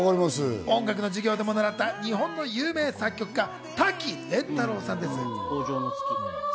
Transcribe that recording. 音楽の授業でも習った日本の有名作曲家・瀧廉太郎さんです。